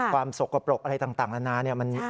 ความสกปรกอะไรต่างแล้วนะ